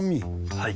はい。